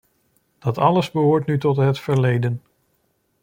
Dat alles behoort nu tot het verleden.